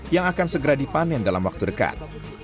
yang akan segera dipanen dalam waktu dekat